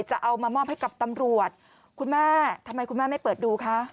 จะเอามามอบให้กับตำรวจคุณแม่ทำไมคุณแม่ไม่เปิดดูคะ